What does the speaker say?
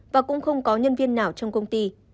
và cũng không có nhân viên nào trong công ty